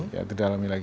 ya didalami lagi